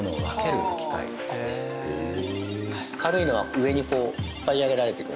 軽いのは上にこう引っ張り上げられていく。